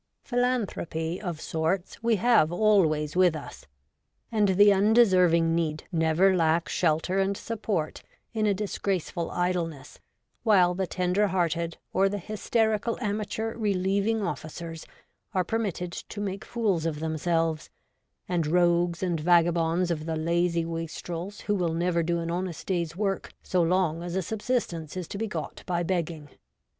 Philanthropy, of sorts, we have always with us, and the undeserving need never lack shelter and support in a disgraceful idleness while the tender hearted or the hysterical amateur relieving ofificers are permitted to make fools of themselves, and rogues and vagabonds of the lazy wastrels who will never do an honest day's work so long as a sub sistence is to be got by begging.